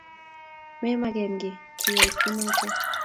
Memagen kiy kiyay kunoto